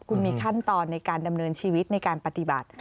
คุณมีขั้นตอนในการดำเนินชีวิตในการปฏิบัติ